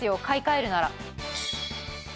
買い替えるなら。